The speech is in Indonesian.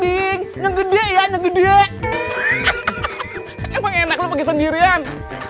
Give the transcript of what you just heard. dengan gua ada uya selamat nyari kambing ngegede ya ngegede emang enak lu pergi sendirian